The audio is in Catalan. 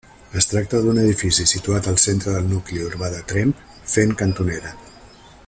Es tracta d'un edifici situat al centre del nucli urbà de Tremp, fent cantonera.